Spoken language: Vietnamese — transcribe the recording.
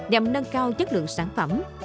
nhằm nâng cao chất lượng sản phẩm